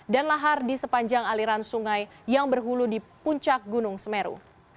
dan lahar di sepanjang aliran sungai yang berhulu di puncak gunung semeru